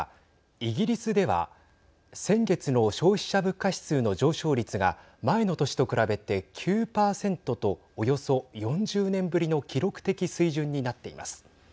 イギリスでは先月の消費者物価指数の上昇率が前の年と比べて９％とおよそ４０年ぶりの記録的水準になっています。